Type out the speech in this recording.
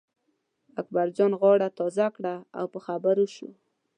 اکبرجان غاړه تازه کړه او په خبرو شو.